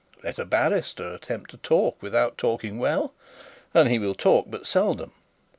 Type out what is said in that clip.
Let a barrister attempt to talk without talking well, and he will talk but seldom.